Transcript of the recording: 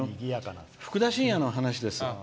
ふくだしんやの話です。